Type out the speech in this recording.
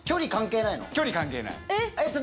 距離関係ない。